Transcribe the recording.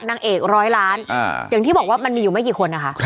นางเอกร้อยล้านอย่างที่บอกว่ามันมีอยู่ไม่กี่คนนะคะ